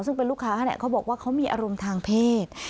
ซึ่งเป็นลูกค้าเขาบอกว่าเขามีอารมณ์ทางเพศ